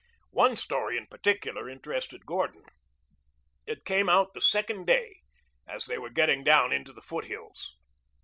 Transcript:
One story in particular interested Gordon. It came out the second day, as they were getting down into the foothills.